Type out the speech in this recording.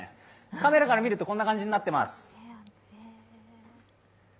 カメラから見るとこんな感じになっています。